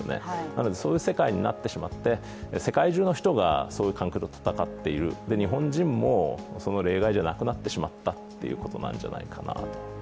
なので、そういう世界になってしまって世界中の人がそういう環境と戦っている、日本人も例外じゃなくなってしまったということなんじゃないかな。